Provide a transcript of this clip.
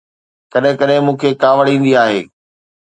ڪڏهن ڪڏهن مون کي ڪاوڙ ايندي آهي